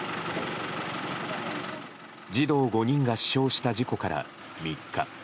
児童５人が死傷した事故から３日。